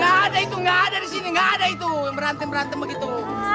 gak ada itu gak ada di sini gak ada itu berantem berantem begitu